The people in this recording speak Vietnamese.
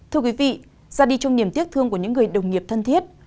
thưa quý vị ra đi trong niềm tiếc thương của những người đồng nghiệp thân thiết